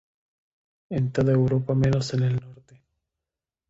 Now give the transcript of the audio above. En toda Europa menos en el Norte.